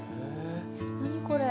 何これ。